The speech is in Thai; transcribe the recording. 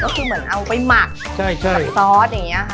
ก็คือเหมือนเอาไปหมักกับซอสอย่างนี้ค่ะ